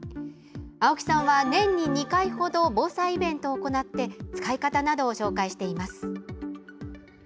青木さんは、年に２回程防災イベントを行って使い方などを紹介しています。